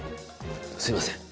すいません。